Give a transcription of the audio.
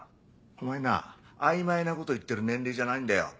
お前な曖昧なこと言ってる年齢じゃないんだよ。